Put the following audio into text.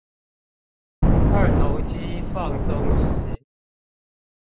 二頭肌放鬆時